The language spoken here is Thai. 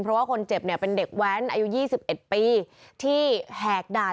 เพราะว่าคนเจ็บเนี่ยเป็นเด็กแว้นอายุ๒๑ปีที่แหกด่าน